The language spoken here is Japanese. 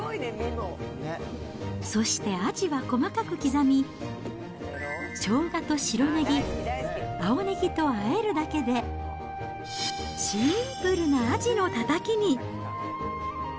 そして、アジは細かく刻み、ショウガと白ネギ、青ネギとあえるだけで、シンプルなアジのたたきに。